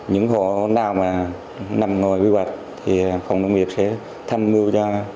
những hộ nào mà nằm ngồi quy hoạch thì phòng nông nghiệp sẽ thăm mưu cho